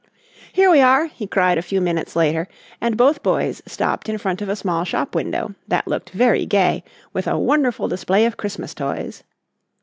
"Here we are," he cried a few minutes later and both boys stopped in front of a small shop window that looked very gay with a wonderful display of Christmas toys.